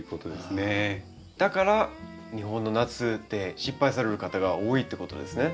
だから日本の夏で失敗される方が多いってことですね。